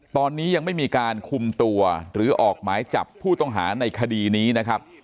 ตอนนี้ยังไม่มีการคุมตัวหรือออกหมายจับผู้ต้องหาในคดีนี้นะครับ